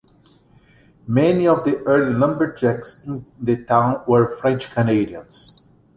Many of the early lumberjacks in the town were French Canadians.